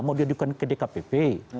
mau diadukan ke dkpp